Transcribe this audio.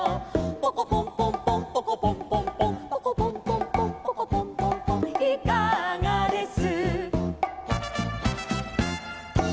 「ポコポンポンポンポコポンポンポン」「ポコポンポンポンポコポンポンポン」「いかがです」